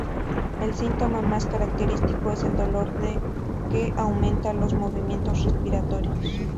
El síntoma más característico es el dolor que aumenta con los movimientos respiratorios.